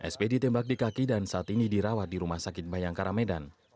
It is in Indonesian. sp ditembak di kaki dan saat ini dirawat di rumah sakit bayangkara medan